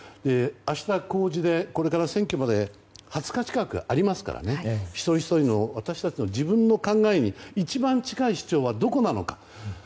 明日、公示でこれから選挙まで２０日近くありますから一人ひとりの私たちの自分の考えに一番近い主張はどこなのか。